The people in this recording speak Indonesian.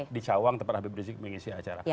dicawang kepada habib rizik mengisi acara